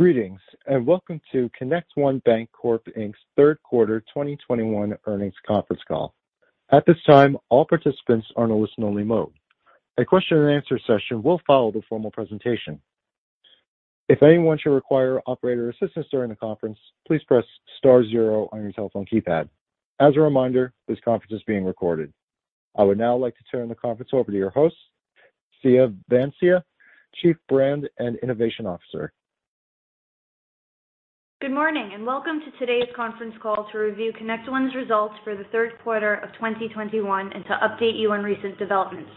Greetings, and welcome to ConnectOne Bancorp, Inc.'s third quarter 2021 earnings conference call. At this time, all participants are in a listen-only mode. A question and answer session will follow the formal presentation. If anyone should require operator assistance during the conference, please press star zero on your telephone keypad. As a reminder, this conference is being recorded. I would now like to turn the conference over to your host, Siya Vansia, Chief Brand and Innovation Officer. Good morning, and welcome to today's conference call to review ConnectOne's results for the third quarter of 2021 and to update you on recent developments.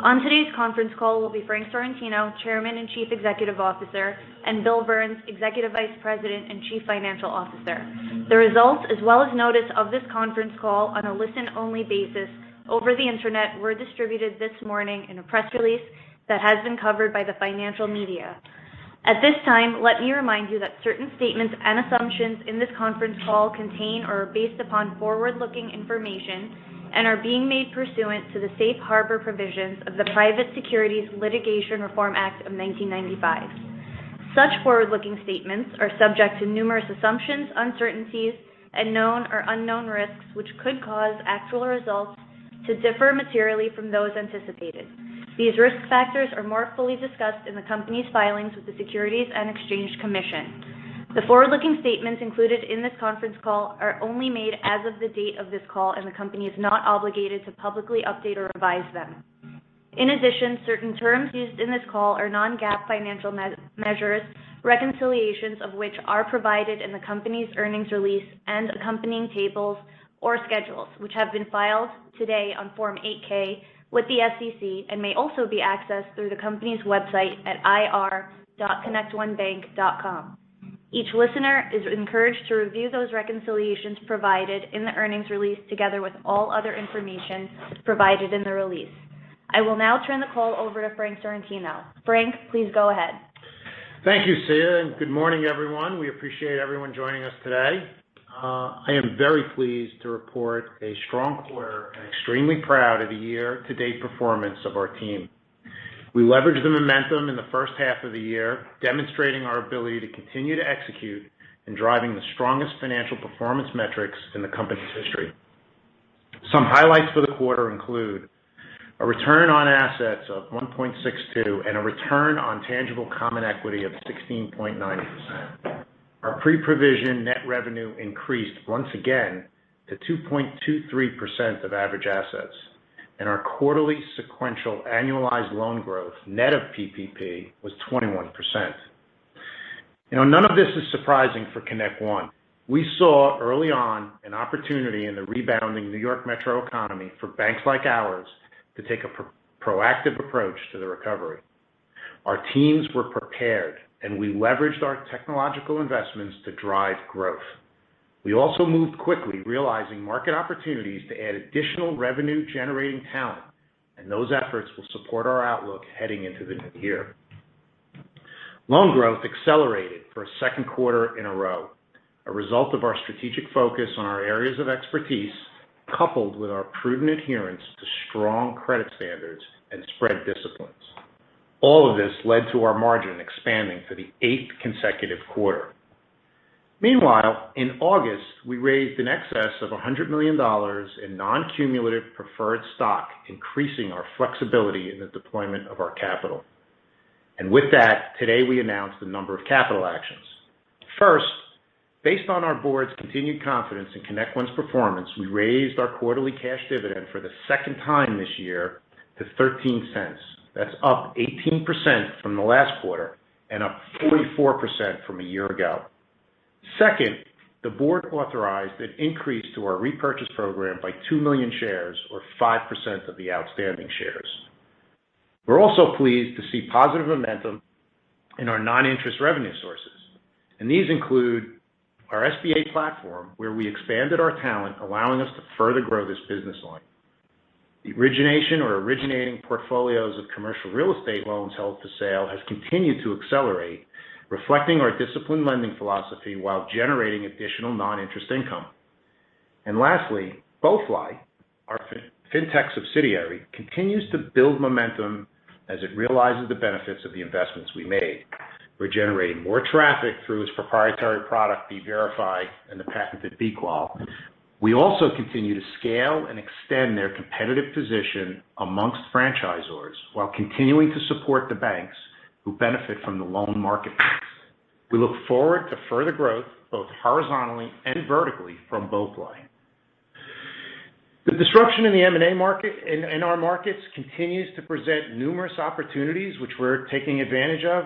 On today's conference call will be Frank Sorrentino, Chairman and Chief Executive Officer, and William Burns, Executive Vice President and Chief Financial Officer. The results as well as notice of this conference call on a listen-only basis over the Internet were distributed this morning in a press release that has been covered by the financial media. At this time, let me remind you that certain statements and assumptions in this conference call contain or are based upon forward-looking information and are being made pursuant to the Safe Harbor provisions of the Private Securities Litigation Reform Act of 1995. Such forward-looking statements are subject to numerous assumptions, uncertainties, and known or unknown risks, which could cause actual results to differ materially from those anticipated. These risk factors are more fully discussed in the company's filings with the Securities and Exchange Commission. The forward-looking statements included in this conference call are only made as of the date of this call, and the company is not obligated to publicly update or revise them. In addition, certain terms used in this call are non-GAAP financial measures, reconciliations of which are provided in the company's earnings release and accompanying tables or schedules, which have been filed today on Form 8-K with the SEC and may also be accessed through the company's website at ir.connectonebank.com. Each listener is encouraged to review those reconciliations provided in the earnings release together with all other information provided in the release. I will now turn the call over to Frank Sorrentino. Frank, please go ahead. Thank you, Siya, and good morning, everyone. We appreciate everyone joining us today. I am very pleased to report a strong quarter and extremely proud of the year-to-date performance of our team. We leveraged the momentum in the first half of the year, demonstrating our ability to continue to execute in driving the strongest financial performance metrics in the company's history. Some highlights for the quarter include a return on assets of 1.62% and a return on tangible common equity of 16.9%. Our pre-provision net revenue increased once again to 2.23% of average assets, and our quarterly sequential annualized loan growth net of PPP was 21%. None of this is surprising for ConnectOne. We saw early on an opportunity in the rebounding New York metro economy for banks like ours to take a proactive approach to the recovery. Our teams were prepared, and we leveraged our technological investments to drive growth. We also moved quickly, realizing market opportunities to add additional revenue-generating talent, and those efforts will support our outlook heading into the new year. Loan growth accelerated for a second quarter in a row, a result of our strategic focus on our areas of expertise, coupled with our prudent adherence to strong credit standards and spread disciplines. All of this led to our margin expanding for the eighth consecutive quarter. Meanwhile, in August, we raised an excess of $100 million in non-cumulative preferred stock, increasing our flexibility in the deployment of our capital. With that, today we announced a number of capital actions. First, based on our board's continued confidence in ConnectOne's performance, we raised our quarterly cash dividend for the second time this year to $0.13. That's up 18% from the last quarter and up 44% from a year ago. Second, the board authorized an increase to our repurchase program by 2 million shares or 5% of the outstanding shares. We're also pleased to see positive momentum in our non-interest revenue sources. These include our SBA platform, where we expanded our talent, allowing us to further grow this business line. The origination or originating portfolios of commercial real estate loans held for sale has continued to accelerate, reflecting our disciplined lending philosophy while generating additional non-interest income. Lastly, BoeFly, our fintech subsidiary, continues to build momentum as it realizes the benefits of the investments we made. We're generating more traffic through its proprietary product, bVerify, and the patented bQual. We also continue to scale and extend their competitive position among franchisors while continuing to support the banks who benefit from the loan marketplace. We look forward to further growth both horizontally and vertically from BoeFly. The disruption in the M&A market in our markets continues to present numerous opportunities, which we're taking advantage of.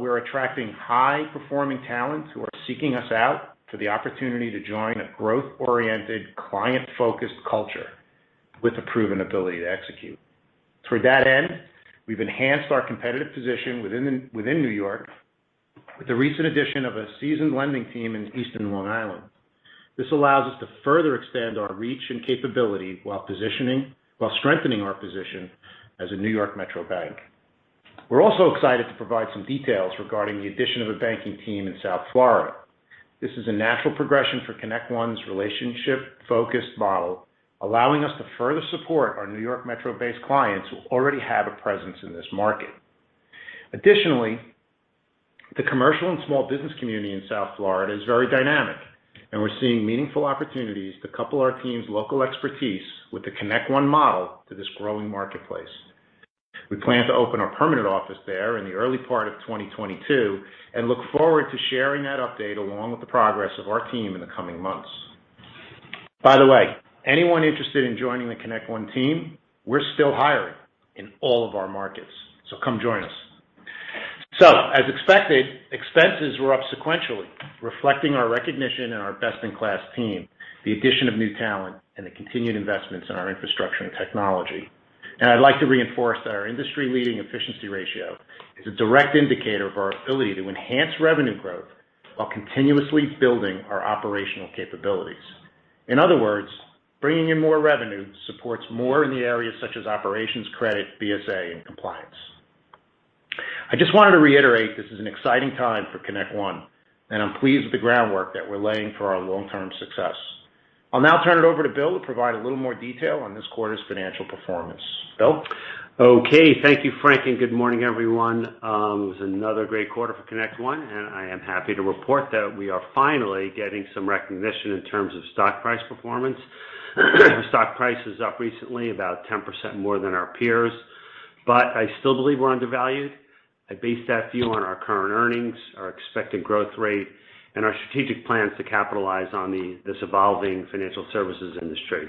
We're attracting high-performing talents who are seeking us out for the opportunity to join a growth-oriented, client-focused culture with a proven ability to execute. Through that end, we've enhanced our competitive position within New York with the recent addition of a seasoned lending team in Eastern Long Island. This allows us to further extend our reach and capability while strengthening our position as a New York Metro bank. We're also excited to provide some details regarding the addition of a banking team in South Florida. This is a natural progression for ConnectOne's relationship-focused model, allowing us to further support our New York Metro-based clients who already have a presence in this market. Additionally, the commercial and small business community in South Florida is very dynamic, and we're seeing meaningful opportunities to couple our team's local expertise with the ConnectOne model to this growing marketplace. We plan to open our permanent office there in the early part of 2022, and look forward to sharing that update along with the progress of our team in the coming months. By the way, anyone interested in joining the ConnectOne team, we're still hiring in all of our markets, so come join us. As expected, expenses were up sequentially, reflecting our recognition and our best-in-class team, the addition of new talent, and the continued investments in our infrastructure and technology. I'd like to reinforce that our industry-leading efficiency ratio is a direct indicator of our ability to enhance revenue growth while continuously building our operational capabilities. In other words, bringing in more revenue supports more in the areas such as operations, credit, BSA, and compliance. I just wanted to reiterate this is an exciting time for ConnectOne, and I'm pleased with the groundwork that we're laying for our long-term success. I'll now turn it over to Bill to provide a little more detail on this quarter's financial performance. Bill? Okay. Thank you, Frank, and good morning, everyone. It was another great quarter for ConnectOne, and I am happy to report that we are finally getting some recognition in terms of stock price performance. The stock price is up recently about 10% more than our peers. I still believe we're undervalued. I base that view on our current earnings, our expected growth rate, and our strategic plans to capitalize on the evolving financial services industry.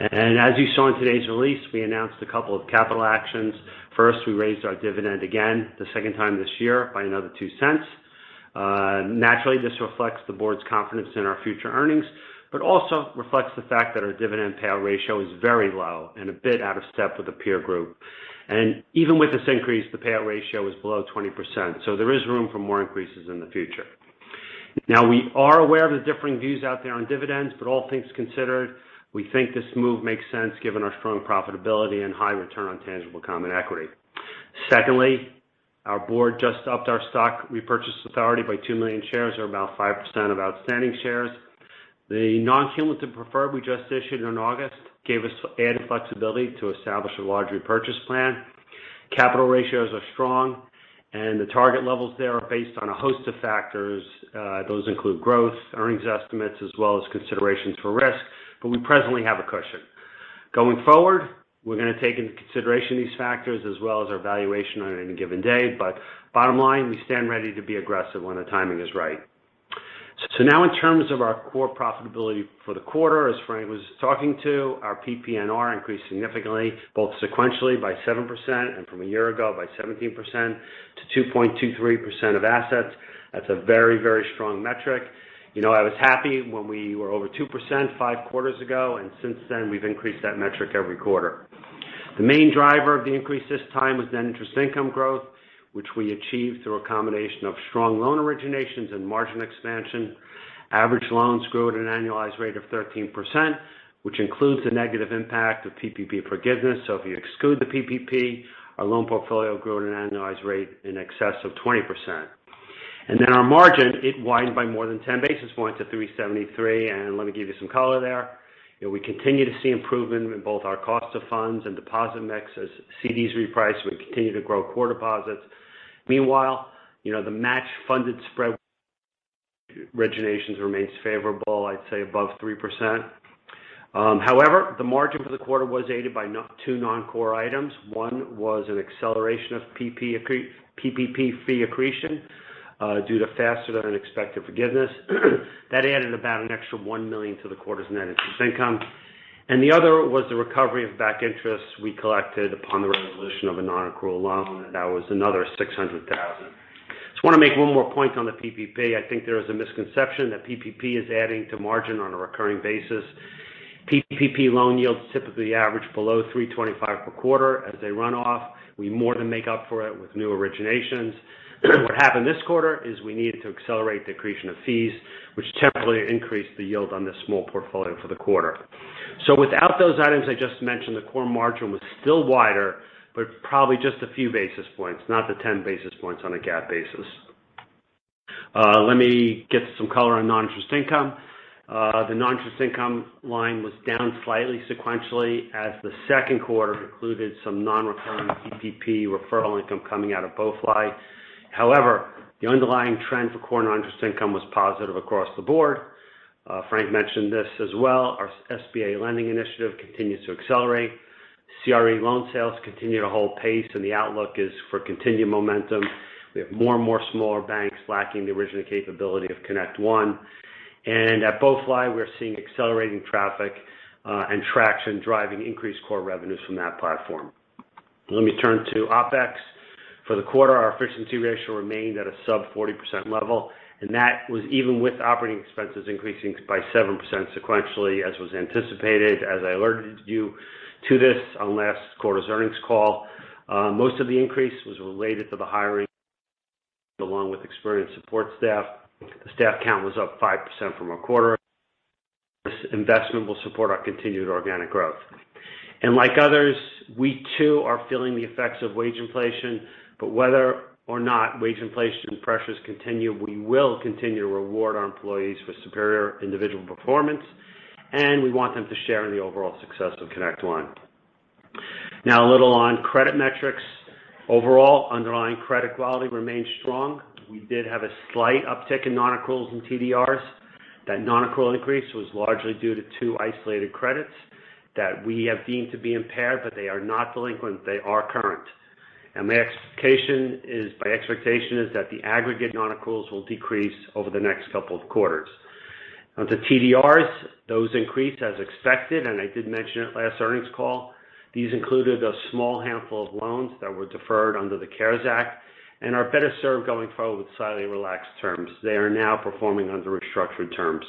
As you saw in today's release, we announced a couple of capital actions. First, we raised our dividend again, the second time this year by another $0.02. Naturally, this reflects the board's confidence in our future earnings, but also reflects the fact that our dividend payout ratio is very low and a bit out of step with the peer group. Even with this increase, the payout ratio is below 20%, so there is room for more increases in the future. Now, we are aware of the differing views out there on dividends, but all things considered, we think this move makes sense given our strong profitability and high return on tangible common equity. Secondly, our board just upped our stock repurchase authority by 2 million shares or about 5% of outstanding shares. The non-cumulative preferred we just issued in August gave us added flexibility to establish a large repurchase plan. Capital ratios are strong, and the target levels there are based on a host of factors. Those include growth, earnings estimates, as well as considerations for risk, but we presently have a cushion. Going forward, we're gonna take into consideration these factors as well as our valuation on any given day. Bottom line, we stand ready to be aggressive when the timing is right. Now in terms of our core profitability for the quarter, as Frank was talking about, our PPNR increased significantly, both sequentially by 7% and from a year ago by 17% to 2.23% of assets. That's a very, very strong metric. I was happy when we were over 2% five quarters ago, and since then, we've increased that metric every quarter. The main driver of the increase this time was net interest income growth, which we achieved through a combination of strong loan originations and margin expansion. Average loans grew at an annualized rate of 13%, which includes the negative impact of PPP forgiveness. If you exclude the PPP, our loan portfolio grew at an annualized rate in excess of 20%. Our margin, it widened by more than 10 basis points to [373]. Let me give you some color there. We continue to see improvement in both our cost of funds and deposit mix. As CDs reprice, we continue to grow core deposits. Meanwhile, the match-funded spread originations remains favorable, I'd say above 3%. However, the margin for the quarter was aided by two non-core items. One was an acceleration of PPP fee accretion due to faster than expected forgiveness. That added about an extra $1 million to the quarter's net interest income. The other was the recovery of back interest we collected upon the resolution of a non-accrual loan. That was another $600,000. Just wanna make one more point on the PPP. I think there is a misconception that PPP is adding to margin on a recurring basis. PPP loan yields typically average below 3.25% per quarter. As they run off, we more than make up for it with new originations. What happened this quarter is we needed to accelerate the accretion of fees, which temporarily increased the yield on this small portfolio for the quarter. Without those items I just mentioned, the core margin was still wider, but probably just a few basis points, not the 10 basis points on a GAAP basis. Let me get some color on non-interest income. The non-interest income line was down slightly sequentially as the second quarter included some non-recurring PPP referral income coming out of BoeFly. However, the underlying trend for core non-interest income was positive across the board. Frank mentioned this as well. Our SBA lending initiative continues to accelerate. CRE loan sales continue to hold pace, and the outlook is for continued momentum. We have more and more smaller banks lacking the originating capability of ConnectOne. At BoeFly, we're seeing accelerating traffic, and traction driving increased core revenues from that platform. Let me turn to OpEx. For the quarter, our efficiency ratio remained at a sub 40% level, and that was even with operating expenses increasing by 7% sequentially as was anticipated. As I alerted you to this on last quarter's earnings call, most of the increase was related to the hiring along with experienced support staff. The staff count was up 5% from a quarter. This investment will support our continued organic growth. Like others, we too are feeling the effects of wage inflation. Whether or not wage inflation pressures continue, we will continue to reward our employees for superior individual performance, and we want them to share in the overall success of ConnectOne. Now a little on credit metrics. Overall, underlying credit quality remains strong. We did have a slight uptick in non-accruals and TDRs. That non-accrual increase was largely due to two isolated credits that we have deemed to be impaired, but they are not delinquent, they are current. My expectation is that the aggregate non-accruals will decrease over the next couple of quarters. The TDRs, those increased as expected, and I did mention it last earnings call. These included a small handful of loans that were deferred under the CARES Act and are better served going forward with slightly relaxed terms. They are now performing under restructured terms.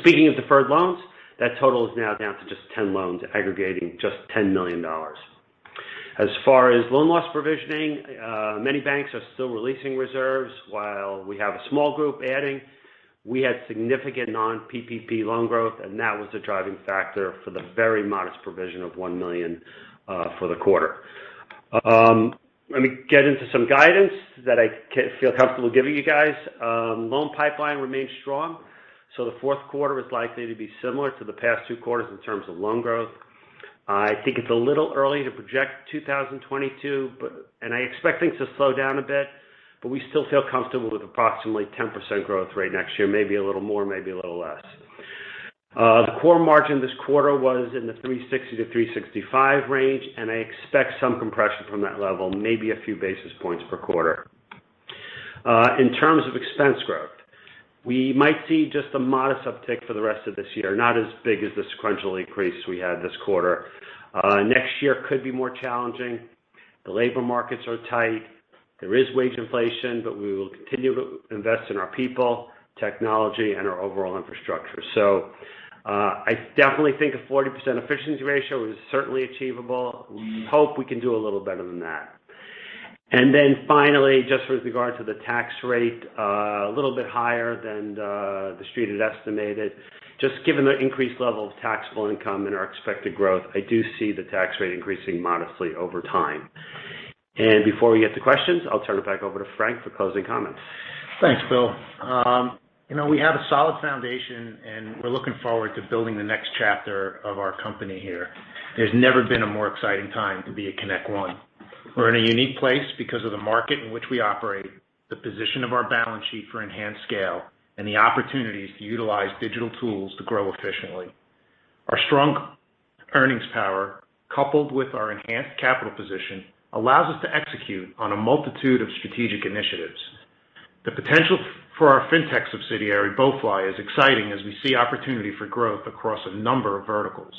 Speaking of deferred loans, that total is now down to just 10 loans aggregating just $10 million. As far as loan loss provisioning, many banks are still releasing reserves. While we have a small group adding, we had significant non-PPP loan growth, and that was the driving factor for the very modest provision of $1 million for the quarter. Let me get into some guidance that I feel comfortable giving you guys. Loan pipeline remains strong, so the fourth quarter is likely to be similar to the past two quarters in terms of loan growth. I think it's a little early to project 2022, but I expect things to slow down a bit, but we still feel comfortable with approximately 10% growth rate next year. Maybe a little more, maybe a little less. The core margin this quarter was in the 360-365 range, and I expect some compression from that level, maybe a few basis points per quarter. In terms of expense growth, we might see just a modest uptick for the rest of this year, not as big as the sequential increase we had this quarter. Next year could be more challenging. The labor markets are tight. There is wage inflation, but we will continue to invest in our people, technology, and our overall infrastructure. I definitely think a 40% efficiency ratio is certainly achievable. We hope we can do a little better than that. Finally, just with regard to the tax rate, a little bit higher than The Street had estimated. Just given the increased level of taxable income and our expected growth, I do see the tax rate increasing modestly over time. Before we get to questions, I'll turn it back over to Frank for closing comments. Thanks, Bill. We have a solid foundation, and we're looking forward to building the next chapter of our company here. There's never been a more exciting time to be at ConnectOne. We're in a unique place because of the market in which we operate, the position of our balance sheet for enhanced scale, and the opportunities to utilize digital tools to grow efficiently. Our strong earnings power, coupled with our enhanced capital position, allows us to execute on a multitude of strategic initiatives. The potential for our fintech subsidiary, BoeFly, is exciting as we see opportunity for growth across a number of verticals.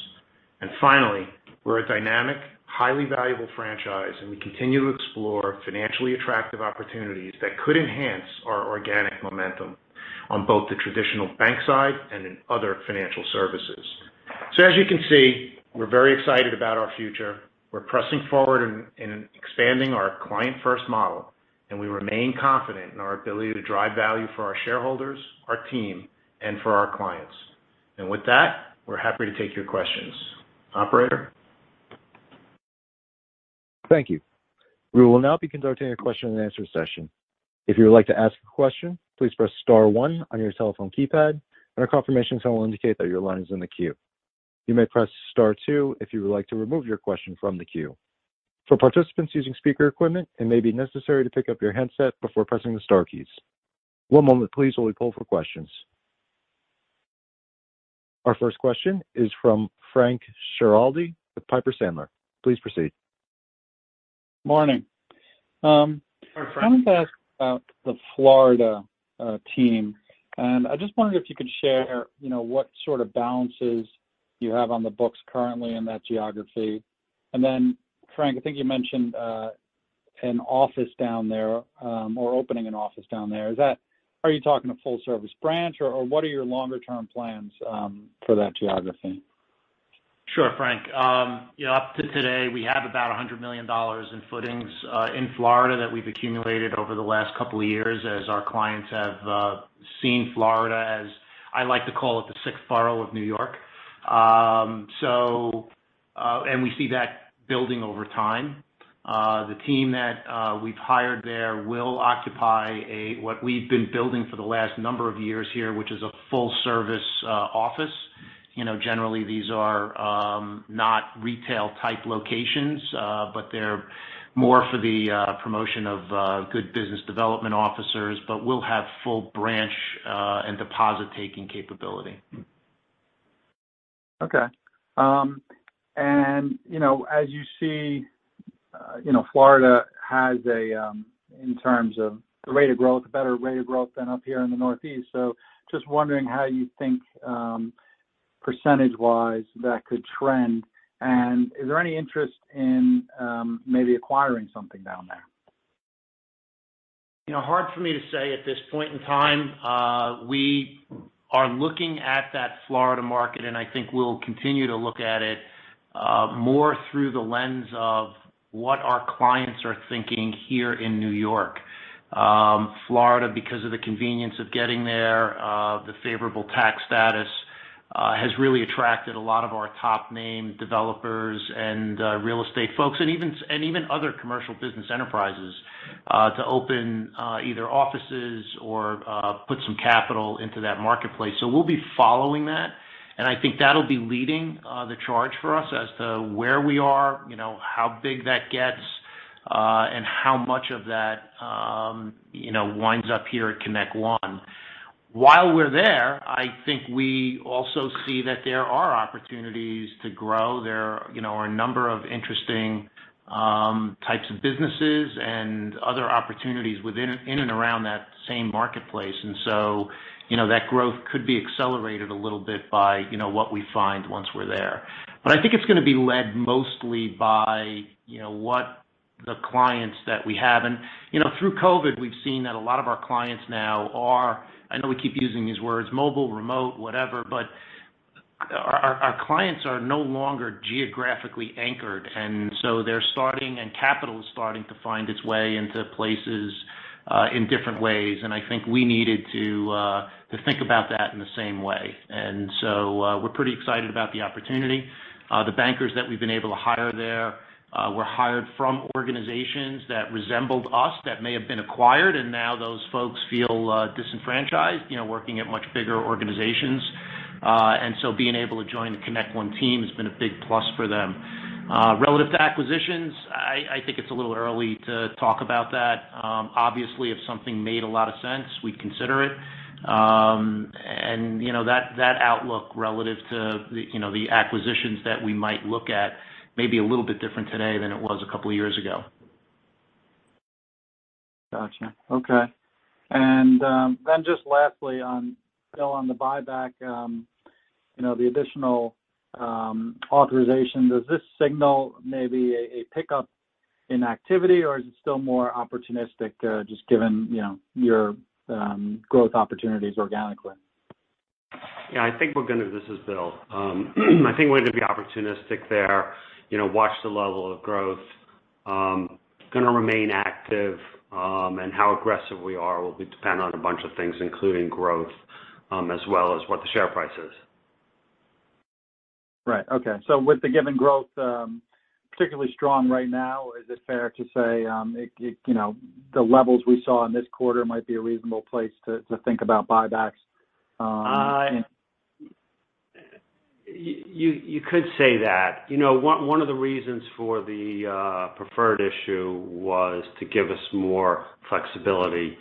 Finally, we're a dynamic, highly valuable franchise, and we continue to explore financially attractive opportunities that could enhance our organic momentum on both the traditional bank side and in other financial services. As you can see, we're very excited about our future. We're pressing forward in expanding our client-first model, and we remain confident in our ability to drive value for our shareholders, our team, and for our clients. With that, we're happy to take your questions. Operator? Thank you. We will now be conducting a question and answer session. If you would like to ask a question, please press star one on your telephone keypad and a confirmation tone will indicate that your line is in the queue. You may press star two if you would like to remove your question from the queue. For participants using speaker equipment, it may be necessary to pick up your handset before pressing the star keys. One moment please while we poll for questions. Our first question is from Frank Schiraldi with Piper Sandler. Please proceed. Morning. Hi, Frank. I wanted to ask about the Florida team. I just wondered if you could share what sort of balances you have on the books currently in that geography. Then Frank, I think you mentioned an office down there or opening an office down there. Are you talking a full-service branch or what are your longer term plans for that geography? Sure, Frank. You know up to today we have about $100 million in footings in Florida that we've accumulated over the last couple of years as our clients have seen Florida as I like to call it, the sixth borough of New York. We see that building over time. The team that we've hired there will occupy a what we've been building for the last number of years here, which is a full service office. Generally these are not retail type locations, but they're more for the promotion of good business development officers, but we'll have full branch and deposit-taking capability. Okay. As you see, Florida has a in terms of the rate of growth, a better rate of growth than up here in the Northeast. Just wondering how you think, percentage wise that could trend. Is there any interest in maybe acquiring something down there? Hard for me to say at this point in time. We are looking at that Florida market, and I think we'll continue to look at it. More through the lens of what our clients are thinking here in New York. Florida, because of the convenience of getting there, the favorable tax status, has really attracted a lot of our top name developers and real estate folks and even other commercial business enterprises to open either offices or put some capital into that marketplace. So we'll be following that, and I think that'll be leading the charge for us as to where we are, how big that gets and how much of that, you know, winds up here at ConnectOne. While we're there, I think we also see that there are opportunities to grow. There are a number of interesting, types of businesses and other opportunities within, in and around that same marketplace. That growth could be accelerated a little bit by what we find once we're there. I think it's gonna be led mostly by what the clients that we have. Through COVID, we've seen that a lot of our clients now are, I know we keep using these words, mobile, remote, whatever, but our clients are no longer geographically anchored, and so they're starting, and capital is starting to find its way into places, in different ways. I think we needed to think about that in the same way. We're pretty excited about the opportunity. The bankers that we've been able to hire there were hired from organizations that resembled us that may have been acquired, and now those folks feel disenfranchised, working at much bigger organizations. Being able to join the ConnectOne team has been a big plus for them. Relative to acquisitions, I think it's a little early to talk about that. Obviously, if something made a lot of sense, we'd consider it. You know, that outlook relative to the acquisitions that we might look at may be a little bit different today than it was a couple years ago. Gotcha. Okay. Just lastly on Bill, on the buyback, the additional authorization. Does this signal maybe a pickup in activity, or is it still more opportunistic, just given your growth opportunities organically? This is Bill. I think we're gonna be opportunistic there, watch the level of growth. Gonna remain active, and how aggressive we are will be dependent on a bunch of things, including growth, as well as what the share price is. Right. Okay. With the given growth, particularly strong right now, is it fair to say the levels we saw in this quarter might be a reasonable place to think about buybacks... You could say that. One of the reasons for the preferred issue was to give us more flexibility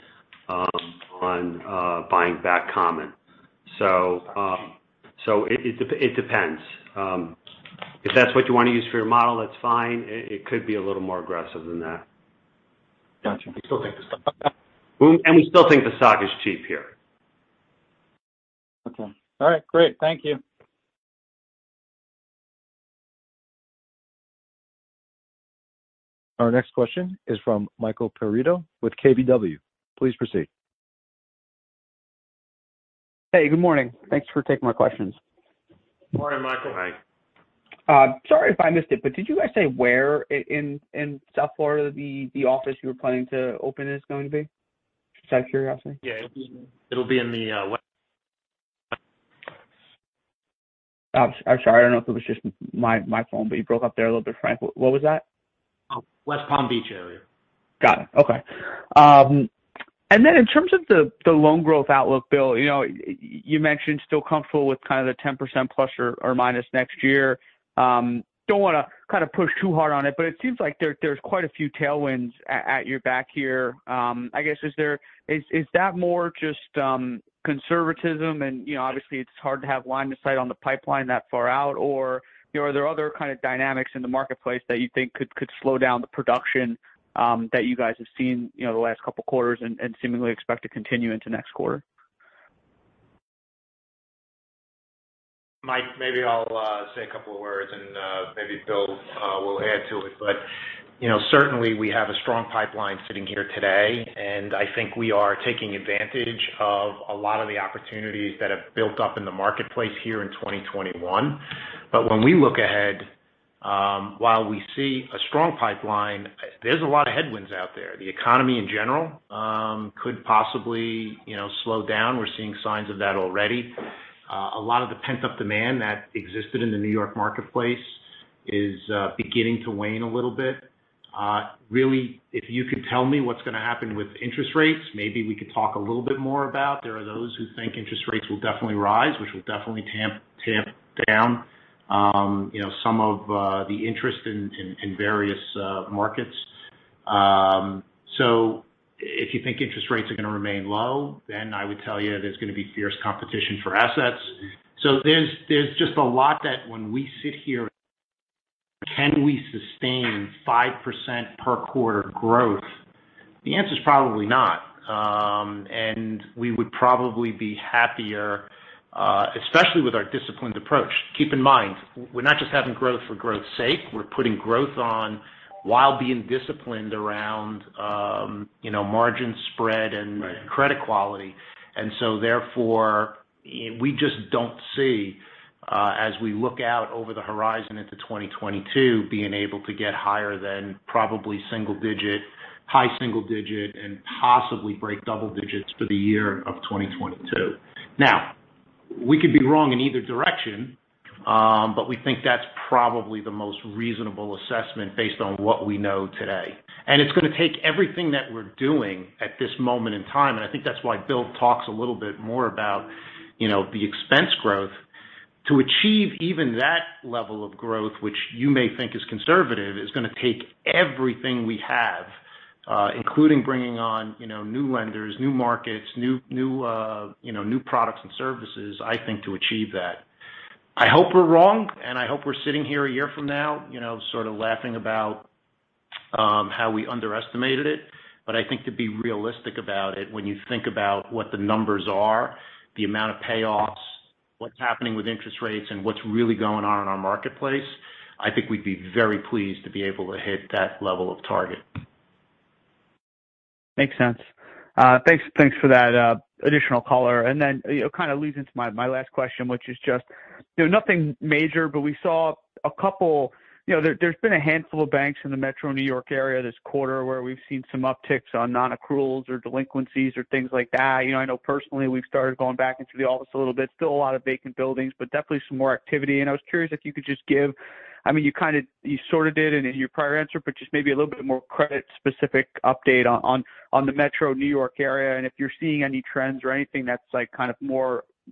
on buying back common. It depends. If that's what you wanna use for your model, that's fine. It could be a little more aggressive than that. Gotcha. We still think the stock is cheap here. Okay. All right, great. Thank you. Our next question is from Michael Perito with KBW. Please proceed. Hey, good morning. Thanks for taking my questions. Morning, Michael. Hi. Sorry if I missed it, but did you guys say where in South Florida the office you were planning to open is going to be? Just out of curiosity. Yeah. It'll be in the... I'm sorry. I don't know if it was just my phone, but you broke up there a little bit, Frank. What was that? West Palm Beach area. Got it. Okay. In terms of the loan growth outlook, Bill, you mentioned still comfortable with kind of the 10%± next year. Don't wanna kinda push too hard on it, but it seems like there's quite a few tailwinds at your back here. I guess, is that more just conservatism, and obviously it's hard to have line of sight on the pipeline that far out, or, are there other kind of dynamics in the marketplace that you think could slow down the production that you guys have seen the last couple of quarters and seemingly expect to continue into next quarter? Mike, maybe I'll say a couple of words and maybe Bill will add to it. Certainly we have a strong pipeline sitting here today, and I think we are taking advantage of a lot of the opportunities that have built up in the marketplace here in 2021. When we look ahead, while we see a strong pipeline, there's a lot of headwinds out there. The economy in general could possibly slow down. We're seeing signs of that already. A lot of the pent-up demand that existed in the New York marketplace is beginning to wane a little bit. Really, if you could tell me what's gonna happen with interest rates, maybe we could talk a little bit more about. There are those who think interest rates will definitely rise, which will definitely tamp down some of the interest in various markets. If you think interest rates are gonna remain low, then I would tell you there's gonna be fierce competition for assets. There's just a lot that when we sit here, can we sustain 5% per quarter growth? The answer is probably not. We would probably be happier, especially with our disciplined approach. Keep in mind, we're not just having growth for growth's sake. We're putting growth on while being disciplined around margin spread and credit quality. We just don't see, as we look out over the horizon into 2022, being able to get higher than probably single-digit, high single-digit, and possibly break double-digits for the year of 2022. Now, we could be wrong in either direction, but we think that's probably the most reasonable assessment based on what we know today. It's gonna take everything that we're doing at this moment in time, and I think that's why Bill talks a little bit more about the expense growth. To achieve even that level of growth, which you may think is conservative, is gonna take everything we have, including bringing on new lenders, new markets, new products and services, I think, to achieve that. I hope we're wrong, and I hope we're sitting here a year from now, sort of laughing about how we underestimated it. I think to be realistic about it, when you think about what the numbers are, the amount of payoffs, what's happening with interest rates, and what's really going on in our marketplace, I think we'd be very pleased to be able to hit that level of target. Makes sense. Thanks for that additional color. You know, kind of leads into my last question, which is just nothing major, but we saw a couple. There's been a handful of banks in the metro New York area this quarter where we've seen some upticks on non-accruals or delinquencies or things like that. I know personally, we've started going back into the office a little bit. Still a lot of vacant buildings, but definitely some more activity. I was curious if you could just give. I mean, you sorted it in your prior answer, but just maybe a little bit more credit-specific update on the metro New York area, and if you're seeing any trends or anything that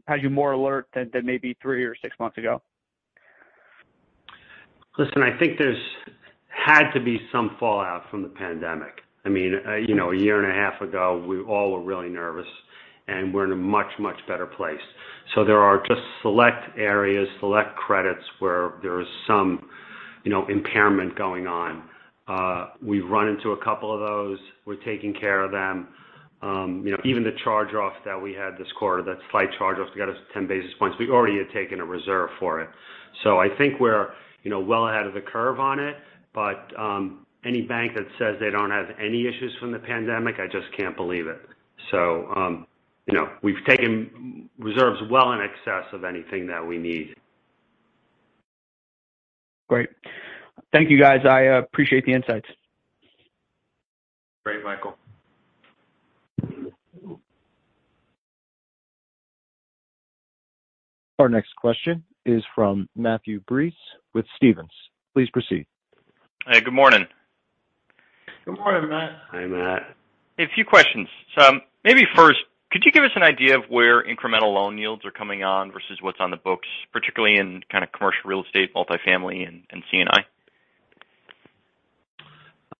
has you more alert than maybe three or six months ago. Listen, I think there's had to be some fallout from the pandemic. I mean, a year and a half ago, we all were really nervous, and we're in a much, much better place. There are just select areas, select credits where there is some impairment going on. We've run into a couple of those. We're taking care of them. Even the charge-off that we had this quarter, that slight charge-off that got us 10 basis points, we already had taken a reserve for it. I think we're well ahead of the curve on it, but any bank that says they don't have any issues from the pandemic, I just can't believe it. We've taken reserves well in excess of anything that we need. Great. Thank you, guys. I appreciate the insights. Great, Michael. Our next question is from Matthew Breese with Stephens. Please proceed. Hi. Good morning. Good morning, Matt. Hi, Matt. A few questions. Maybe first, could you give us an idea of where incremental loan yields are coming on versus what's on the books, particularly in kind of commercial real estate, multifamily, and C&I?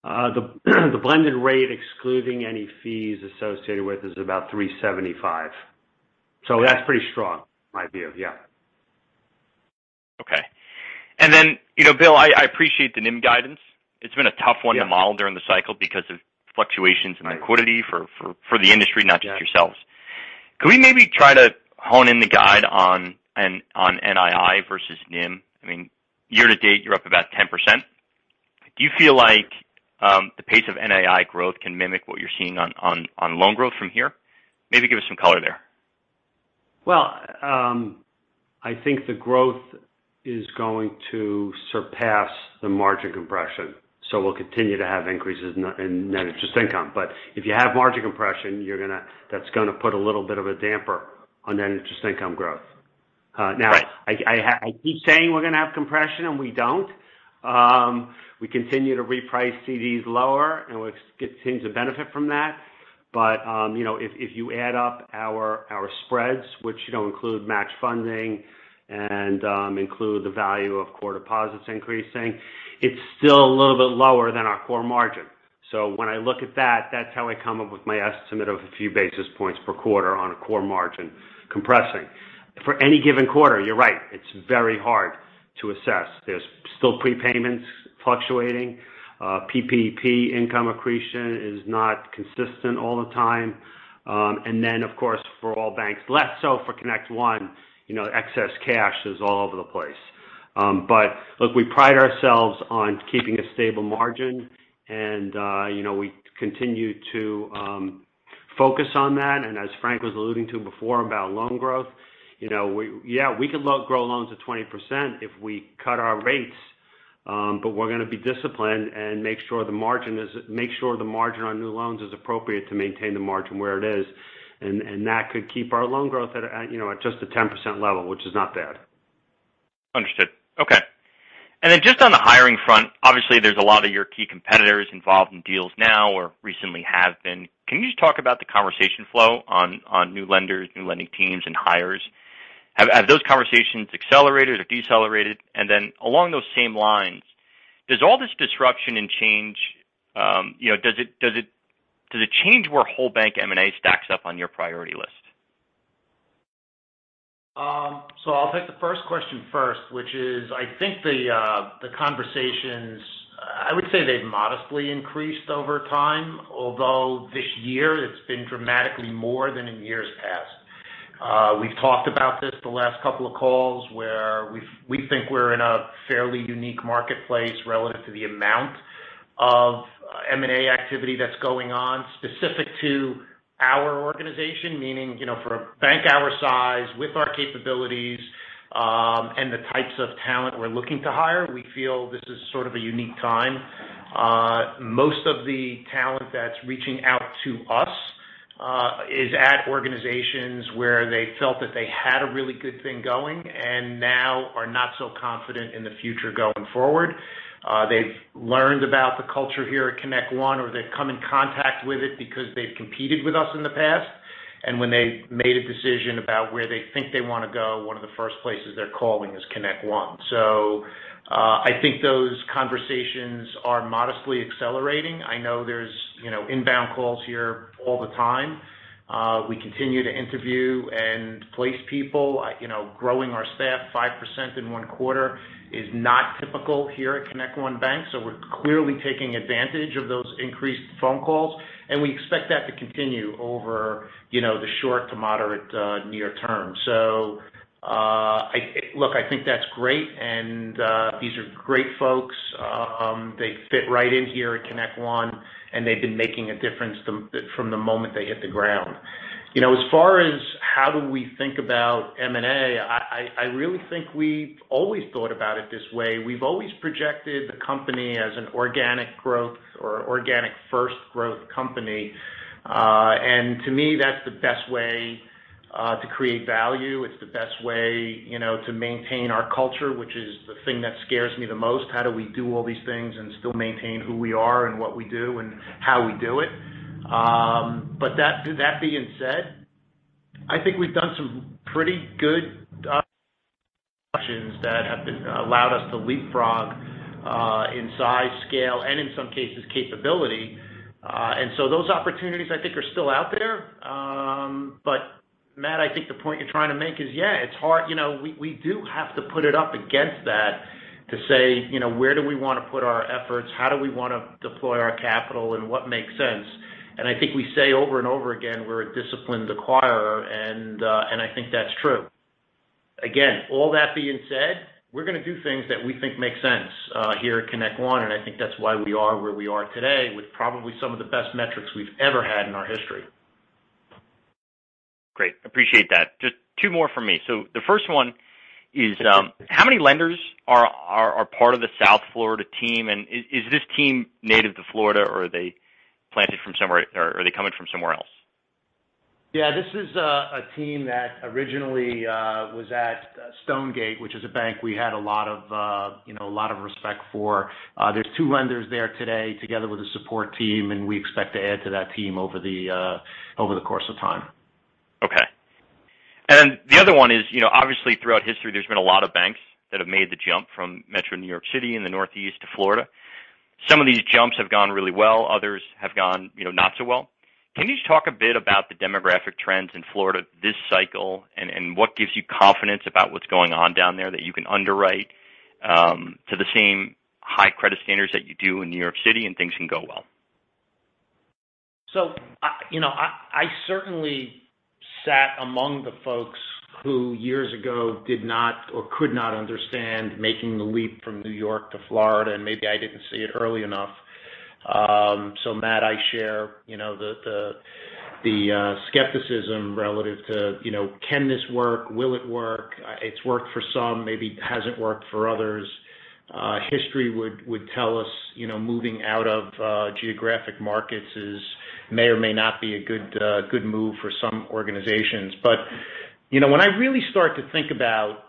The blended rate, excluding any fees associated with, is about 3.75%. That's pretty strong in my view. Yeah. Okay. Bill, I appreciate the NIM guidance. It's been a tough one to model during the cycle because of fluctuations in liquidity for the industry, not just yourselves. Could we maybe try to hone in on the guidance on NII versus NIM? I mean, year to date, you're up about 10%. Do you feel like the pace of NII growth can mimic what you're seeing on loan growth from here? Maybe give us some color there. Well, I think the growth is going to surpass the margin compression. We'll continue to have increases in net interest income. If you have margin compression, you're gonna, that's gonna put a little bit of a damper on net interest income growth. Now, I keep saying we're gonna have compression, and we don't. We continue to reprice CDs lower, and we seem to benefit from that. If you add up our spreads, which include match funding and include the value of core deposits increasing, it's still a little bit lower than our core margin. When I look at that's how I come up with my estimate of a few basis points per quarter on a core margin compressing. For any given quarter, you're right. It's very hard to assess. There's still prepayments fluctuating. PPP income accretion is not consistent all the time. Of course, for all banks, less so for ConnectOne, excess cash is all over the place. Look, we pride ourselves on keeping a stable margin, and we continue to focus on that. As Frank was alluding to before about loan growth, we could grow loans at 20% if we cut our rates, but we're gonna be disciplined and make sure the margin on new loans is appropriate to maintain the margin where it is. That could keep our loan growth at just a 10% level, which is not bad. Understood. Okay. Just on the hiring front, obviously there's a lot of your key competitors involved in deals now or recently have been. Can you just talk about the conversation flow on new lenders, new lending teams and hires? Have those conversations accelerated or decelerated? Along those same lines, does all this disruption and change change where whole bank M&A stacks up on your priority list? I'll take the first question first, which is, I think the conversations, I would say they've modestly increased over time, although this year it's been dramatically more than in years past. We've talked about this the last couple of calls where we think we're in a fairly unique marketplace relative to the amount Of M&A activity that's going on specific to our organization, meaning for a bank our size with our capabilities, and the types of talent we're looking to hire, we feel this is sort of a unique time. Most of the talent that's reaching out to us is at organizations where they felt that they had a really good thing going and now are not so confident in the future going forward. They've learned about the culture here at ConnectOne, or they've come in contact with it because they've competed with us in the past. When they made a decision about where they think they wanna go, one of the first places they're calling is ConnectOne. I think those conversations are modestly accelerating. I know there's inbound calls here all the time. We continue to interview and place people. You know, growing our staff 5% in one quarter is not typical here at ConnectOne Bank, so we're clearly taking advantage of those increased phone calls, and we expect that to continue over the short to moderate, near term. Look, I think that's great, and these are great folks. They fit right in here at ConnectOne, and they've been making a difference from the moment they hit the ground. As far as how do we think about M&A, I really think we've always thought about it this way. We've always projected the company as an organic growth or organic first growth company. To me, that's the best way to create value. It's the best way to maintain our culture, which is the thing that scares me the most. How do we do all these things and still maintain who we are and what we do and how we do it? That being said, I think we've done some pretty good options that have allowed us to leapfrog in size, scale, and in some cases, capability. Those opportunities I think are still out there. Matt, I think the point you're trying to make is, yeah, it's hard. We do have to put it up against that to say, where do we wanna put our efforts? How do we wanna deploy our capital, and what makes sense? I think we say over and over again, we're a disciplined acquirer, and I think that's true. Again, all that being said, we're gonna do things that we think make sense here at ConnectOne, and I think that's why we are where we are today with probably some of the best metrics we've ever had in our history. Great. Appreciate that. Just two more from me. The first one is, how many lenders are part of the South Florida team? And is this team native to Florida, or are they coming from somewhere else? Yeah. This is a team that originally was at Stonegate, which is a bank we had a lot of respect for. There's two lenders there today together with a support team, and we expect to add to that team over the course of time. Okay. The other one is, obviously throughout history, there's been a lot of banks that have made the jump from Metro New York City in the Northeast to Florida. Some of these jumps have gone really well, others have gone not so well. Can you just talk a bit about the demographic trends in Florida this cycle and what gives you confidence about what's going on down there that you can underwrite to the same high credit standards that you do in New York City and things can go well? I certainly sat among the folks who years ago did not or could not understand making the leap from New York to Florida, and maybe I didn't see it early enough. Matt, I share the skepticism relative to can this work? Will it work? It's worked for some, maybe hasn't worked for others. History would tell us, moving out of geographic markets may or may not be a good move for some organizations. When I really start to think about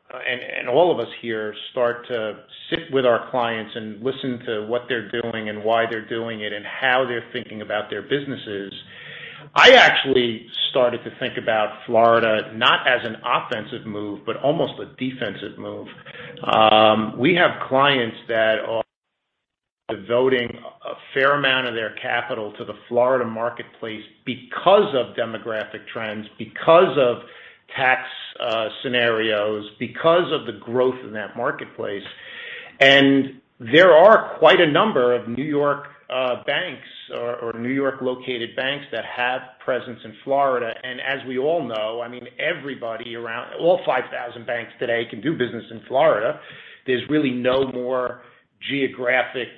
and all of us here start to sit with our clients and listen to what they're doing and why they're doing it and how they're thinking about their businesses, I actually started to think about Florida not as an offensive move, but almost a defensive move. We have clients that are devoting a fair amount of their capital to the Florida marketplace because of demographic trends, because of tax scenarios, because of the growth in that marketplace. There are quite a number of New York banks or New York-located banks that have presence in Florida. As we all know, I mean, everybody around all 5,000 banks today can do business in Florida. There's really no more geographic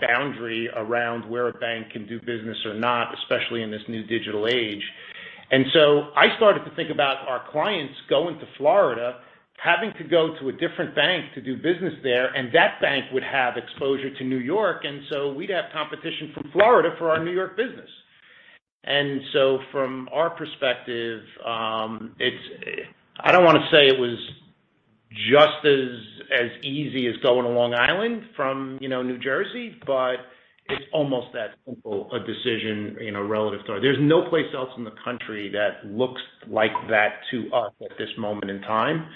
boundary around where a bank can do business or not, especially in this new digital age. I started to think about our clients going to Florida, having to go to a different bank to do business there, and that bank would have exposure to New York, and so we'd have competition from Florida for our New York business. From our perspective, I don't wanna say it was just as easy as going to Long Island from New Jersey, but it's almost that simple a decision, relative to... There's no place else in the country that looks like that to us at this moment in time.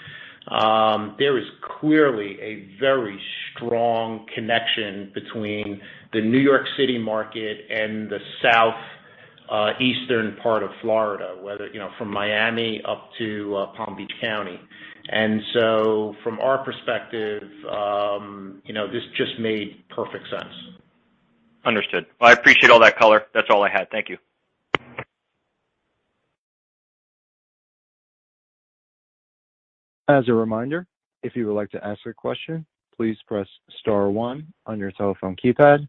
There is clearly a very strong connection between the New York City market and the southeastern part of Florida, whether from Miami up to Palm Beach County. From our perspective, this just made perfect sense. Understood. I appreciate all that color. That's all I had. Thank you. As a reminder, if you would like to ask a question, please press star one on your telephone keypad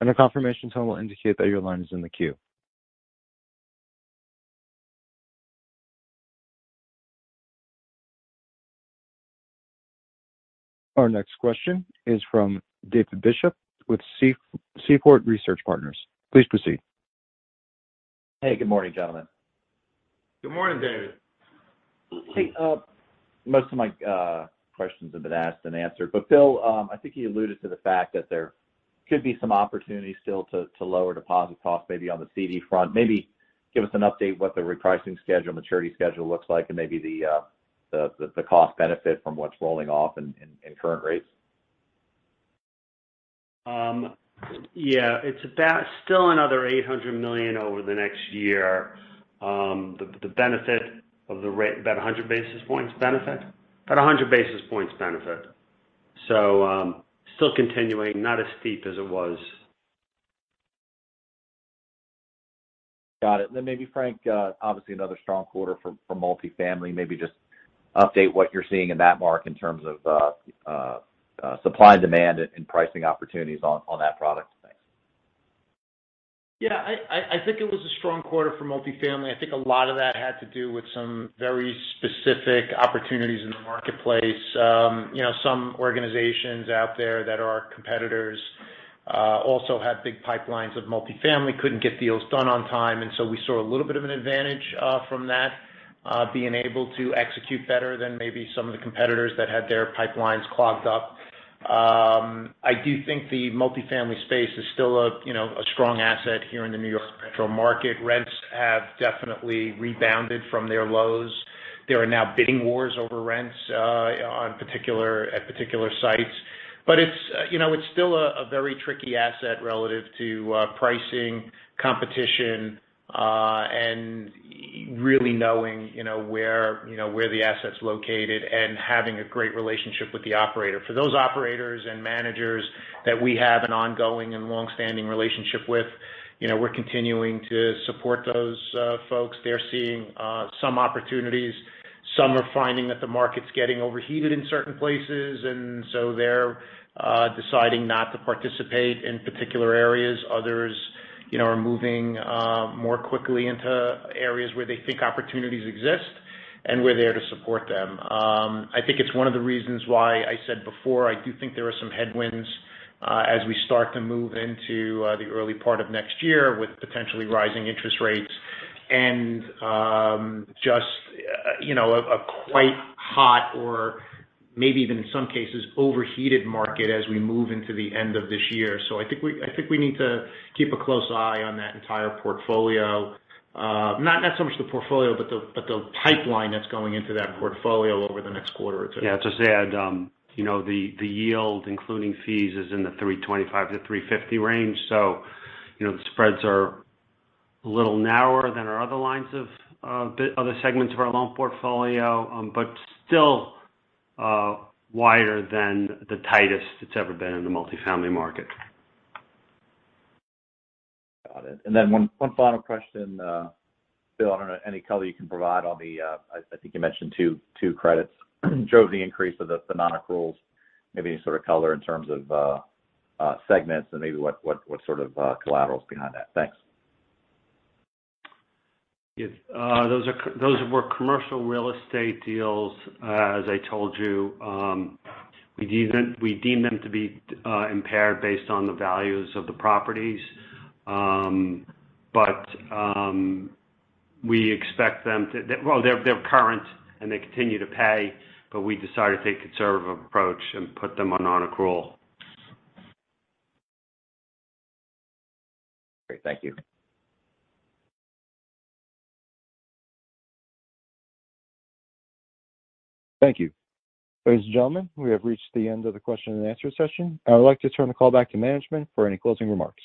and a confirmation tone will indicate that your line is in the queue. Our next question is from David Bishop with Seaport Research Partners. Please proceed. Hey, good morning, gentlemen. Good morning, David. Hey, most of my questions have been asked and answered, but Bill, I think you alluded to the fact that there could be some opportunities still to lower deposit costs maybe on the CD front. Maybe give us an update what the repricing schedule, maturity schedule looks like and maybe the cost benefit from what's rolling off in current rates. It's about still another $800 million over the next year. About 100 basis points benefit, still continuing, not as steep as it was. Got it. Maybe Frank, obviously another strong quarter for multifamily. Maybe just update what you're seeing in that market in terms of supply and demand and pricing opportunities on that product. Thanks. Yeah, I think it was a strong quarter for multifamily. I think a lot of that had to do with some very specific opportunities in the marketplace. Some organizations out there that are our competitors also had big pipelines of multifamily, couldn't get deals done on time, and so we saw a little bit of an advantage from that, being able to execute better than maybe some of the competitors that had their pipelines clogged up. I do think the multifamily space is still a strong asset here in the New York metro market. Rents have definitely rebounded from their lows. There are now bidding wars over rents at particular sites. It's still a very tricky asset relative to pricing, competition, and really knowing where the asset's located and having a great relationship with the operator. For those operators and managers that we have an ongoing and long-standing relationship with, we're continuing to support those folks. They're seeing some opportunities. Some are finding that the market's getting overheated in certain places, and so they're deciding not to participate in particular areas. Others, are moving more quickly into areas where they think opportunities exist, and we're there to support them. I think it's one of the reasons why I said before, I do think there are some headwinds, as we start to move into the early part of next year with potentially rising interest rates and, just a quite hot or maybe even in some cases overheated market as we move into the end of this year. I think we need to keep a close eye on that entire portfolio. Not so much the portfolio, but the pipeline that's going into that portfolio over the next quarter or two. Yeah. To add, the yield, including fees, is in the 3.25%-3.50% range. The spreads are a little narrower than our other lines of business, other segments of our loan portfolio. Still, wider than the tightest it's ever been in the multifamily market. Got it. One final question, Bill. I don't know, any color you can provide on the increase of the non-accruals. I think you mentioned two credits drove it. Maybe any sort of color in terms of segments and maybe what sort of collateral is behind that. Thanks. Yes. Those were commercial real estate deals. As I told you, we deem them to be impaired based on the values of the properties. We expect them to be current, and they continue to pay, but we decided to take a conservative approach and put them on non-accrual. Great. Thank you. Thank you. Ladies and gentlemen, we have reached the end of the question and answer session. I would like to turn the call back to management for any closing remarks.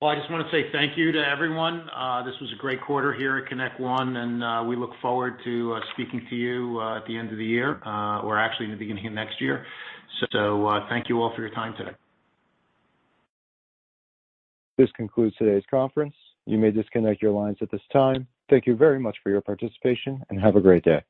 Well, I just wanna say thank you to everyone. This was a great quarter here at ConnectOne, and we look forward to speaking to you at the end of the year, or actually in the beginning of next year. Thank you all for your time today. This concludes today's conference. You may disconnect your lines at this time. Thank you very much for your participation, and have a great day.